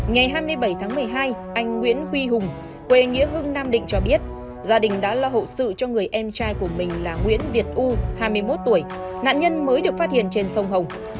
ngày hai mươi bảy tháng một mươi hai anh nguyễn huy hùng quê nghĩa hưng nam định cho biết gia đình đã lo hậu sự cho người em trai của mình là nguyễn việt u hai mươi một tuổi nạn nhân mới được phát hiện trên sông hồng